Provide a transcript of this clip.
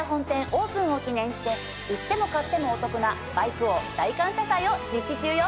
オープンを記念して売っても買ってもお得なバイク王大感謝祭を実施中よ。